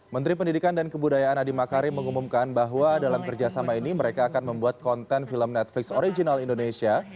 menteri pendidikan dan kebudayaan adi makarim mengumumkan bahwa dalam kerjasama ini mereka akan membuat konten film netflix original indonesia